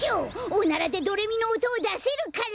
おならでドレミのおとをだせるから！